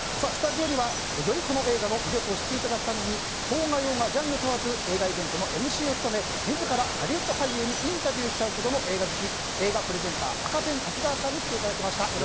スタジオにはよりこの映画の魅力を知っていただくために邦画・洋画ジャンル問わず映画イベントのＭＣを務め自らハリウッド俳優にインタビューしちゃうほどの映画好き映画プレゼンター赤ペン瀧川さんに来ていただきました。